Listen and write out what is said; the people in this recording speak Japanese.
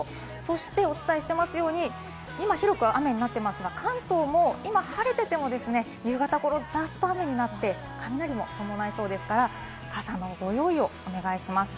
そして、お伝えしていますよに今、広く雨になっていますが関東も今晴れていても夕方頃、ざっと雨になって雷も伴いそうですから、傘のご用意をお願いします。